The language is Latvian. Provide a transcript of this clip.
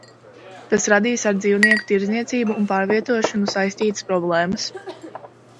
Tas radīs ar dzīvnieku tirdzniecību un pārvietošanu saistītas problēmas.